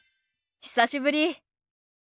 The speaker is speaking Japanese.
久しぶり。